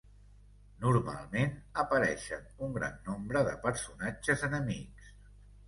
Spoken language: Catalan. Normalment apareixen un gran nombre de personatges enemics.